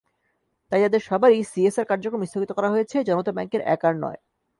তাই তাদের সবারই সিএসআর কার্যক্রম স্থগিত করা হয়েছে, জনতা ব্যাংকের একার নয়।